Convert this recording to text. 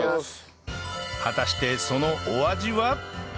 果たしてそのお味は？